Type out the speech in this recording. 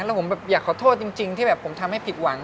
แล้วผมแบบอยากขอโทษจริงที่แบบผมทำให้ผิดหวัง